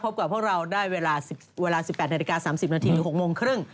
พบกับพวกเราได้เวลา๑๘นาฬิกา๓๐นาทีหรือ๖โมงครึ่ง